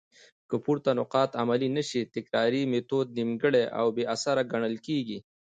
که پورته نقاط عملي نه سي؛ تکراري ميتود نيمګړي او بي اثره ګڼل کيږي.